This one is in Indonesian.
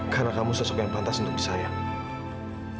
karena kamu sosok yang pantas untuk disayang